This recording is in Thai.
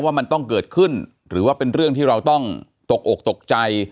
ว่ามันต้องเกิดขึ้นหรือว่าเป็นเรื่องที่เราต้องตกอกตกใจ